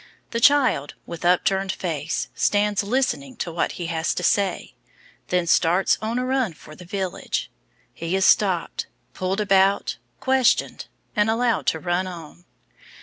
The child, with upturned face, stands listening to what he has to say, then starts on a run for the village. He is stopped, pulled about, questioned, and allowed to run on.